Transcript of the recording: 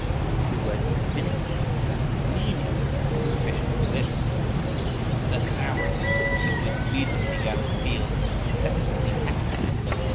The two words "infinity" and "meaning" were sufficient for this: at their sound the youthlet immediately began to feel exceptionally happy.